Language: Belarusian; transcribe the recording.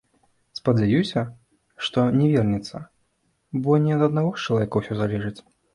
Спадзяюся, што не вернецца, бо не ад аднаго ж чалавека ўсё залежыць!